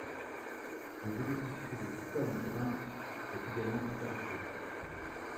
Le détective privé Tom Grant est également interviewé.